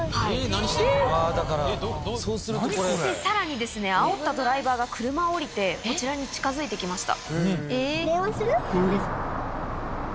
何してんの⁉さらにあおったドライバーが車を降りてこちらに近づいてきました。